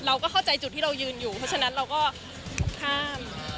เราก็เข้าใจจุดที่เรายืนอยู่เพราะฉะนั้นเราก็ข้าม